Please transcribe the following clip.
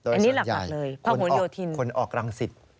อันนี้หลักเลยพระหลโยธินคนออกรังสิต